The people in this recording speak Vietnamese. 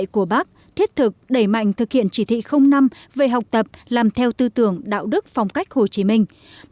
của bác thiết thực đẩy mạnh thực hiện chỉ thị năm về học tập làm theo tư tưởng đạo đức phong cách hồ chí minh